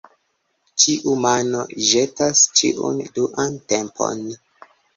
Ĉiu mano ĵetas ĉiun duan tempon.